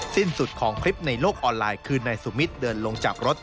สิ้นสุดของคลิปในโลกออนไลน์คือนายสุมิตรเดินลงจากรถ